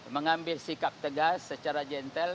mengambil sikap tegas secara gentel